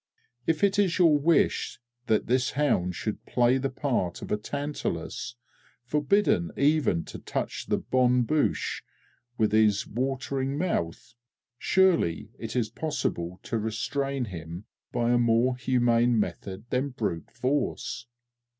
If it is your wish that this hound should play the part of a Tantalus, forbidden even to touch the bonne bouches with his watering mouth, surely it is possible to restrain him by a more humane method than Brute Force!"